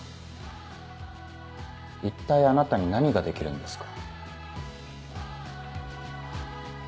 一体あなたに何ができるんですか？